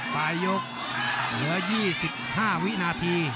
ปลายยกเหลือ๒๕วินาที